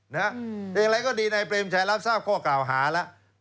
อย่างไรก็ดีในเปรียบใช้รับทราบก่อก่าวหาแล้ว